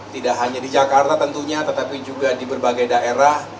tidak hanya di jakarta tentunya tetapi juga di berbagai daerah